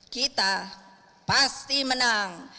kita pasti menang